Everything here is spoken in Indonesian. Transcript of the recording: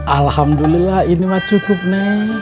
alhamdulillah ini mah cukup neng